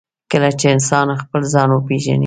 کله چې انسان خپل ځان وپېژني.